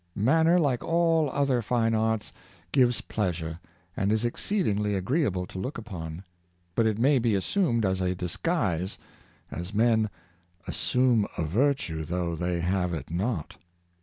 Manner, like other fine arts, gives pleasure, and is exceedingly agreeable to look upon; but it may be assumed as a disguise, as men " assume a virtue though they have it not."